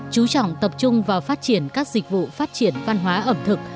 chú trọng tập trung vào phát triển các dịch vụ phát triển văn hóa ẩm thực